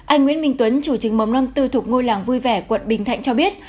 anh nguyễn minh tuấn chủ trường mầm non tư thuộc ngôi làng vui vẻ quận bình thạnh cho biết